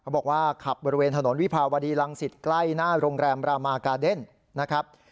บอกว่าขับบริเวณถนนวิภาวดีรังสิตใกล้หน้าโรงแรมรามากาเดนนะครับ